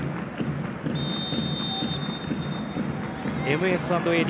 ＭＳ＆ＡＤ